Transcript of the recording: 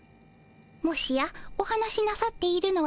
もしやお話しなさっているのはプリンさま？